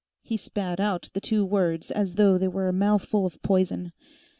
He spat out the two words as though they were a mouthful of poison.